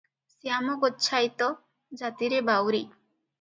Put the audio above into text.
ଶ୍ୟାମ ଗୋଚ୍ଛାଇତ ଜାତିରେ ବାଉରୀ ।